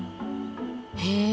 へえ。